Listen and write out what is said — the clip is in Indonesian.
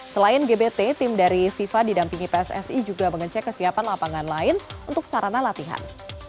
selain gbt tim dari fifa didampingi pssi juga mengecek kesiapan lapangan lain untuk sarana latihan